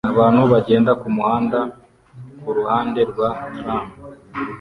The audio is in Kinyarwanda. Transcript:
Abantu bagenda kumuhanda kuruhande rwa tram